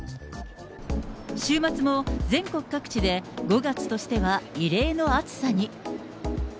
週末も、全国各地で５月としては異例の暑さに。